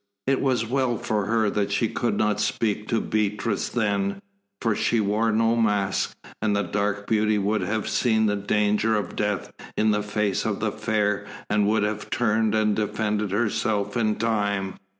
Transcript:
It was well for her that she could not speak to Beatrice then, for she wore no mask, and the dark beauty would have seen the danger of death in the face of the fair, and would have turned and defended herself in time.